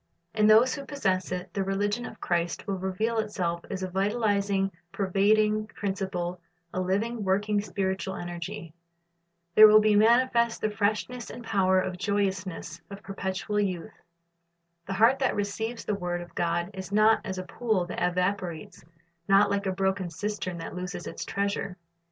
In those who possess it, the religion of Christ will reveal itself as a vitalizing, pervading principle, a living, working, spiritual energy. There will be manifest the freshness and power and joyousness of perpetual youth. The heart that receives the word of God is not as a pool that evaporates, not like a broken cistern that loses its treasure.